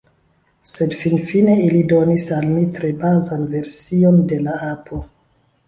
Sed finfine ili donis al mi tre bazan version de la apo.